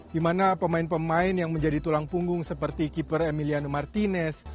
di mana pemain pemain yang menjadi tulang punggung seperti keeper emilian martinez